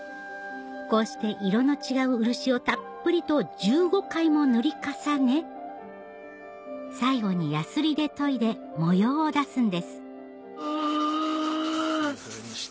こうして色の違う漆をたっぷりと１５回も塗り重ね最後にヤスリで研いで模様を出すんですうわ。